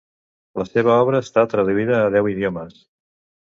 La seva obra està traduïda a deu idiomes.